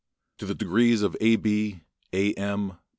To the degrees of A. B., A. M.